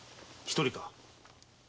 ・一人か？